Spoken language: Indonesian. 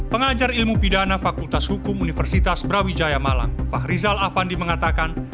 pengajar ilmu pidana fakultas hukum universitas brawijaya malang fahrizal afandi mengatakan